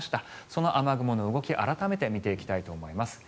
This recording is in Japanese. その雨雲の動き改めて見ていきたいと思います。